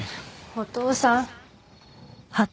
「お父さん？」